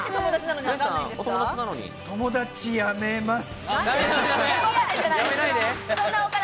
友達やめます。